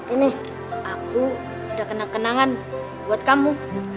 ini aku udah kena kenangan buat kamu